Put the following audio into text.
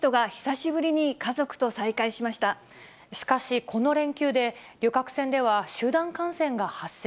しかし、この連休で旅客船では集団感染が発生。